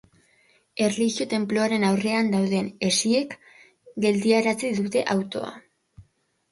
Erlijio tenpluaren aurrean dauden hesiek geldiarazi dute autoa.